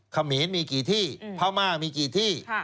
คมีนมีกี่ที่พาวมากมีกี่ที่